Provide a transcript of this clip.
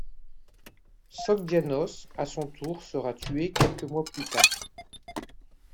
Sogdianos à son tour sera tué quelques mois plus tard.